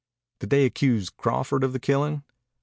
"Did they accuse Crawford of the killing?"